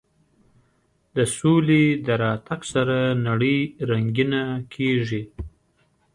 د سولې د راتګ سره نړۍ رنګینه کېږي.